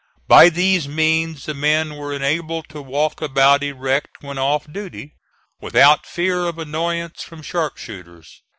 By these means the men were enabled to walk about erect when off duty, without fear of annoyance from sharpshooters.